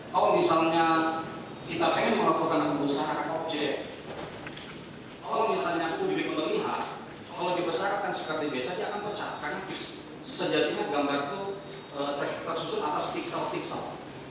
kalau misalnya kita ingin melakukan pembesaran objek kalau misalnya itu diperlihat kalau dipesarkan seperti biasa dia akan pecahkan sejadinya gambar itu terkitar susun atas piksel piksel